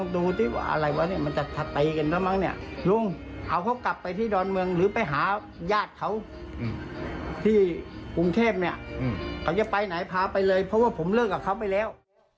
ซื้อไปหายาดเขาที่กรุงเทพจะไปไหนพาไปเลยเพราะว่าผมเลิกกับเขาไปแล้ว